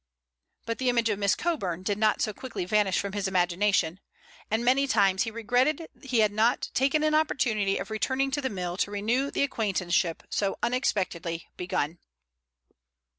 But the image of Miss Coburn did not so quickly vanish from his imagination, and many times he regretted he had not taken an opportunity of returning to the mill to renew the acquaintanceship so unexpectedly begun.